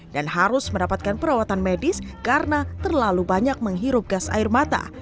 dan harus mendapatkan perawatan medis karena terlalu banyak menghirup gas air mata